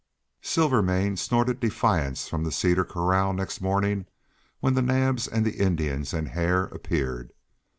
Silvermane snorted defiance from the cedar corral next morning when the Naabs, and Indians, and Hare appeared.